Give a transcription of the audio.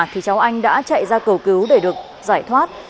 thì cháu anh đã chạy ra cầu cứu để được giải thoát